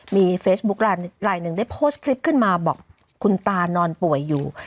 มีเฟซบุ๊กลายหนึ่งได้โพสต์คลิปขึ้นมาบอกคุณตานอนป่วยอยู่